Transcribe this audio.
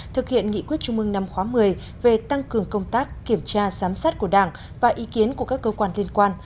thực hiện nghị quyết chung mương năm khóa một mươi về tăng cường công tác kiểm tra giám sát của đảng và ý kiến của các cơ quan liên quan